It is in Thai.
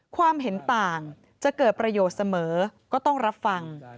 ความเห็นต่างจะเกิดประโยชน์เสมอก็ต้องรับฟัง